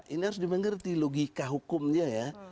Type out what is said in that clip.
ini harus dimengerti logika hukumnya ya